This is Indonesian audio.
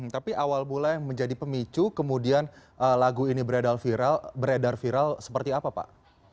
tapi awal mula yang menjadi pemicu kemudian lagu ini beredar viral seperti apa pak